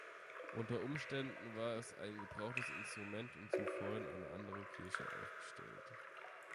Unter Umständen war es ein gebrauchtes Instrument und zuvor in einer anderen Kirche aufgestellt.